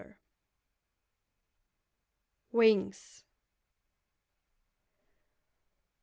WINGS.